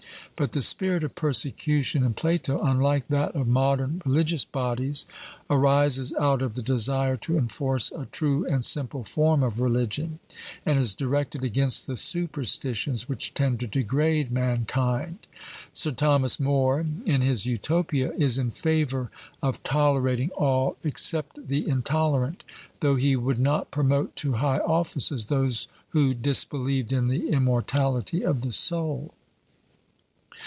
But the spirit of persecution in Plato, unlike that of modern religious bodies, arises out of the desire to enforce a true and simple form of religion, and is directed against the superstitions which tend to degrade mankind. Sir Thomas More, in his Utopia, is in favour of tolerating all except the intolerant, though he would not promote to high offices those who disbelieved in the immortality of the soul.